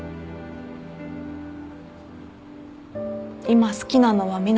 今好きなのは湊斗。